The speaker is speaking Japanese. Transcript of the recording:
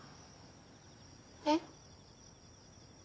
えっ？